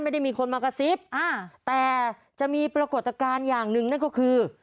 ไม่ได้มีคนมากระซิบอ่าแต่จะมีปรากฏการณ์อย่างหนึ่งนั่นก็คือ